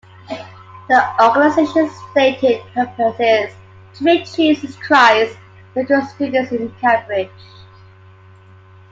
The organisation's stated purpose is "to make Jesus Christ known to students in Cambridge".